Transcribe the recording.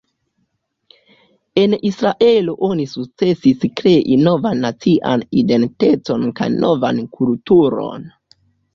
En Israelo oni sukcesis krei novan nacian identecon kaj novan kulturon.